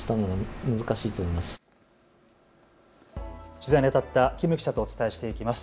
取材にあたった金記者とお伝えしていきます。